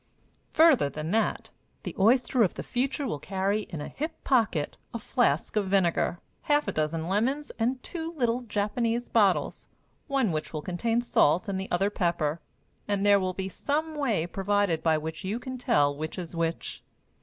Further than that, the oyster of the future will carry in a hip pocket a flask of vinegar, half a dozen lemons and two little Japanese bottles, one of which will contain salt and the other pepper, and there will be some way provided by which you can tell which is which.